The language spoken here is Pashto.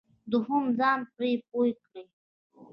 دوهم ځان پرې پوه کړئ.